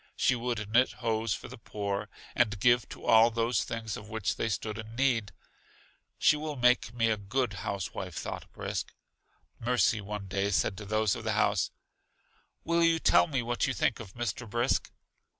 She would knit hose for the poor, and give to all those things of which they stood in need. She will make me a good house wife, thought Brisk. Mercy one day said to those of the house: Will you tell me what you think of Mr. Brisk?